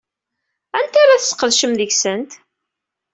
Anta ara tesqedcem deg-sent?